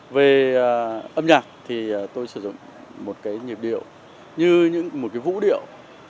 về âm nhạc thì tôi sử dụng một cái nhịp điệu như một cái vũ điệu